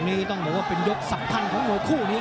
ยกนี้ต้องบอกว่าเป็นยกศักดิ์ภัณฑ์ของหน่วยคู่นี้